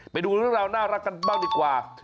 ไปดูเรื่องราวน่ารักกันบ้างดีกว่า